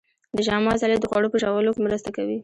د ژامو عضلې د خوړو په ژوولو کې مرسته کوي.